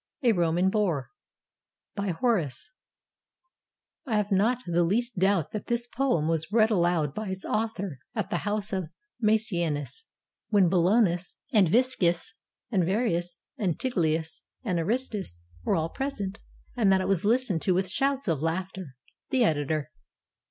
A ROMAN BORE BY HORACE [I HAVE not the least doubt that this poem was read aloud by its author at the house of Maecenas, when Bolanus and Viscus and Varius and Tigellius and Aristius were ail present, and that it was listened to with shouts of laughter. The Editor.